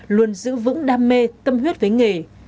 luôn giữ vững đam mê tâm huyết với nghề